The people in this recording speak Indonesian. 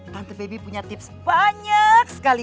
tante baby punya tips banyak sekali